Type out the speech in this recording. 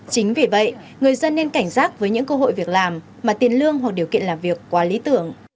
chính vì vậy người dân nên cảnh giác với những cơ hội việc làm mà tiền lương hoặc điều kiện làm việc qua lý tưởng